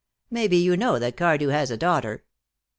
"Maybe you know that Cardew has a daughter?"